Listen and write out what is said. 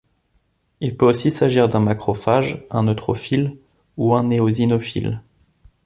Il peut aussi s'agir d'un macrophage, un neutrophile ou un éosinophile.